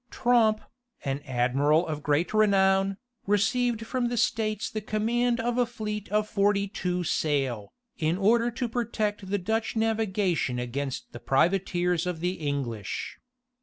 Tromp, an admiral of great renown, received from the states the command of a fleet of forty two sail, in order to protect the Dutch navigation against the privateers of the English.